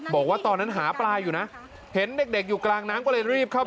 บอกว่าตอนนั้นหาปลายอยู่นะ